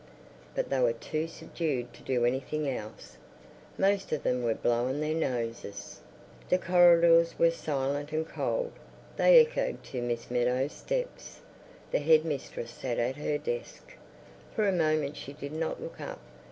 But they were too subdued to do anything else. Most of them were blowing their noses. The corridors were silent and cold; they echoed to Miss Meadows' steps. The head mistress sat at her desk. For a moment she did not look up.